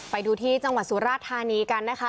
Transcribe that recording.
ไปดูที่จังหวัดสุราธานีกันนะคะ